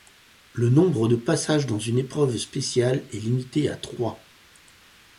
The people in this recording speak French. Le nombre de passages dans une épreuve spéciale est limité à trois.